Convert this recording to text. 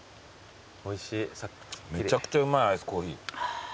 めちゃくちゃうまいアイスコーヒー。